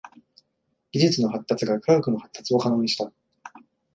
技術の発達が科学の発達を可能にした。